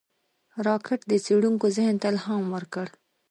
راکټ د څېړونکو ذهن ته الهام ورکړ